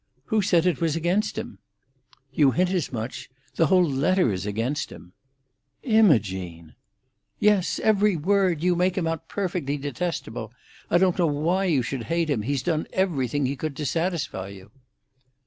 "Who said it was against him?" "You hint as much. The whole letter is against him." "Imogene!" "Yes! Every word! You make him out perfectly detestable. I don't know why you should hate him, He's done everything he could to satisfy you."